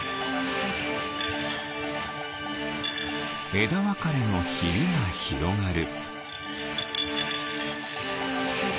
えだわかれのヒビがひろがる。